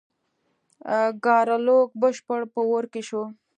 ګارلوک بشپړ په اور کې شو.